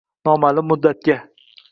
Noma'lum muddatga